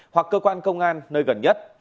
hoặc cơ quan công an nơi gần nhất